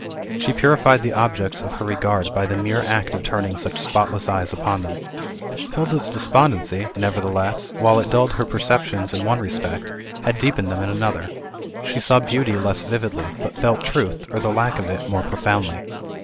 She purified the objects; of her regard by the mere act of turning such spotless eyes upon them. Hilda's despondency, nevertheless, while it dulled her perceptions in one respect, had deepened them in another; she saw beauty less vividly, but felt truth, or the lack of it, more profoundly.